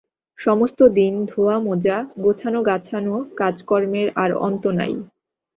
সমস্ত দিন ধোওয়ামোজা, গোছানো-গাছানো–কাজকর্মের আর অন্ত নাই।